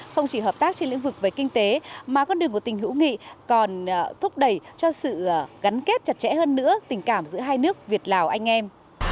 không chỉ hợp tác trên lĩnh vực về kinh tế mà con đường của tình hữu nghị còn thúc đẩy cho sự gắn kết chặt chẽ hơn nữa tình cảm giữa hai nước việt lào anh em